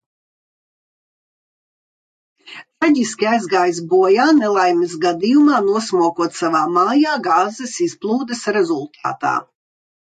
Traģiski aizgājis bojā nelaimes gadījumā, nosmokot savā mājā gāzes izplūdes rezultātā.